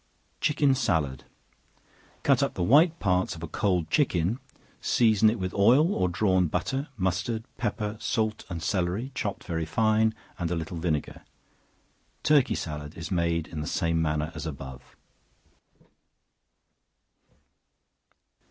Chicken Salad. Cut up the white parts of a cold chicken, season it with oil, or drawn butter, mustard, pepper, salt, and celery, chopped very fine, and a little vinegar. Turkey salad is made in the same manner as above.